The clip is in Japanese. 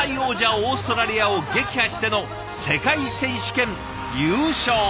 オーストラリアを撃破しての世界選手権優勝。